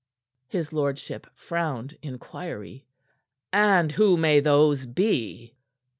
His lordship frowned inquiry. "And who may those be?"